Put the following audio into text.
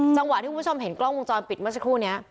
จังหวะที่คุณผู้ชมเห็นกล้องมุมจรปิดมาเศคู่เนี้ย